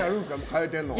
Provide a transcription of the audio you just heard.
変えてるのは。